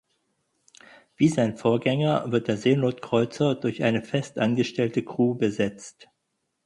Wie sein Vorgänger wird der Seenotkreuzer durch eine fest angestellte Crew besetzt.